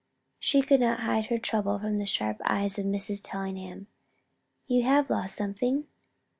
She could not hide her trouble from the sharp eyes of Mrs. Tellingham. "You have lost something?"